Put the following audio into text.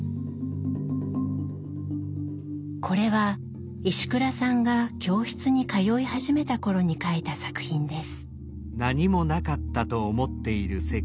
これは石倉さんが教室に通い始めた頃に描いた作品です。